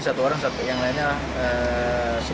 usai membobok tembok hingga jebol